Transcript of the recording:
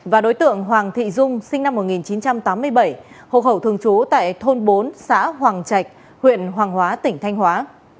và đối tượng hoàng thị dung sinh năm một nghìn chín trăm tám mươi bảy hộ khẩu thường trú tại thôn bốn xã hoàng trạch huyện hoàng hóa tỉnh thanh hóa